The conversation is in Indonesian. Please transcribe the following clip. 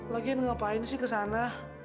lagian ngapain sih kesana